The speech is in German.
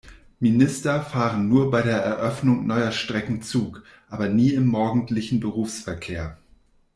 Minister fahren nur bei der Eröffnung neuer Strecken Zug, aber nie im morgendlichen Berufsverkehr.